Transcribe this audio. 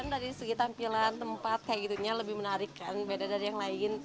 dari segi tampilan tempat kayak gitunya lebih menarik kan beda dari yang lain